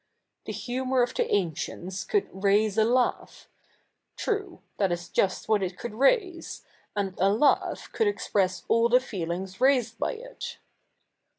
The humour of the ancie7its could 7'aise a laugh ; t7'ue — that is just what it could raise, and a laugh could express all the feelings raised by it.